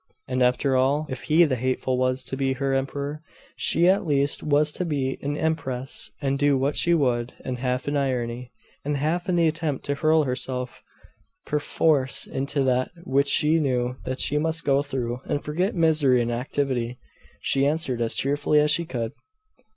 And after all, if he the hateful was to be her emperor, she at least was to be an empress; and do what she would and half in irony, and half in the attempt to hurl herself perforce into that which she knew that she must go through, and forget misery in activity, she answered as cheerfully as she could.